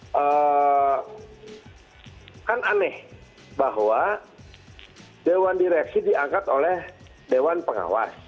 karena kan aneh bahwa dewan direksi diangkat oleh dewan pengawas